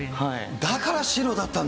だから白だったの。